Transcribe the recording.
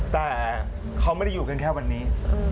แต่เขาไม่ได้อยู่กันแค่วันนี้